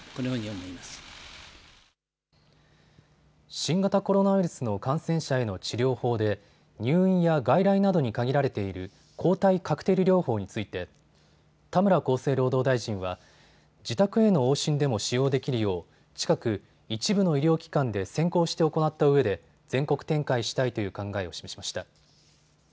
新型コロナウイルスの感染者への治療法で入院や外来などに限られている抗体カクテル療法について田村厚生労働大臣は自宅への往診でも使用できるよう近く、一部の医療機関で先行して行ったうえで全国展開したいという考えを示しました。